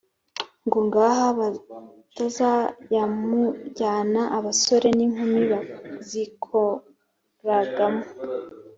ngo ngaha batazayamuryana abasore n'inkumi bazikoragamo